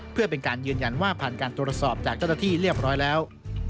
เพื่อเป็นการยืนยันว่าผ่านการตรวจสอบจากเจ้าหน้าที่เรียบร้อยแล้ว